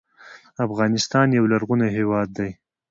افغانستان یو لرغونی هیواد دی